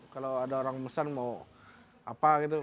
kalau ada orang mesen mau apa gitu